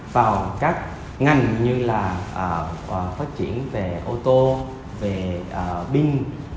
vào các ngành như là phát triển về ô tô về pin